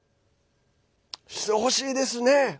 してほしいですね。